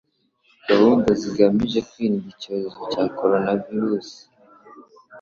gahunda zigamije kwirinda icyorezo cya coronavirus